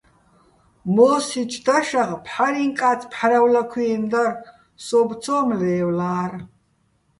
მო́სსიჩო̆ დაშაღ "ფჰ̦არიჼკაწ, ფჰ̦არავლაქვიენო̆" დარ, სოუბო̆ ცო́მ ლე́ვლა́რ.